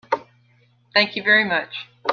Thank you very much.